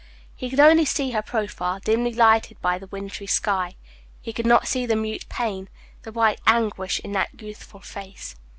He could only see her profile, dimly lighted by the wintry sky. He could not see the mute pain, the white anguish in that youthful face.